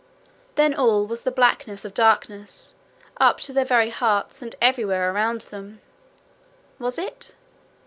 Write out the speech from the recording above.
Then all was the blackness of darkness up to their very hearts and everywhere around them. Was it?